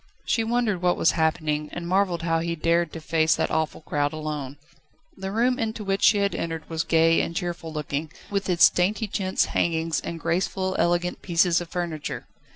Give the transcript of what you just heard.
She wondered what was happening, and marvelled how he dared to face that awful crowd alone. The room into which she had entered was gay and cheerful looking with its dainty chintz hangings and graceful, elegant pieces of furniture.